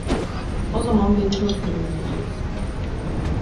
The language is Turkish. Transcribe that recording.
O zaman beni çok sevindireceksin…